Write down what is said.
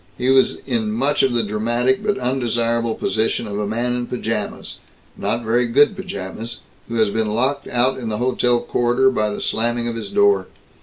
He was in much of the dramatic but undesirable position of a man in pajamas, not very good pajamas, who has been locked out in the hotel corridor by the slamming of his door.